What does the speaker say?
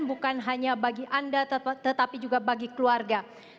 bukan hanya bagi anda tetapi juga bagi keluarga